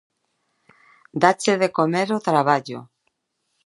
Dáche de comer o traballo.